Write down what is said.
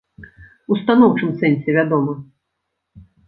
У станоўчым сэнсе, вядома.